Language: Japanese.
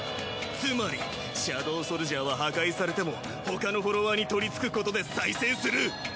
つまりシャドウソルジャーは破壊されても他のフォロワーに取りつくことで再生する！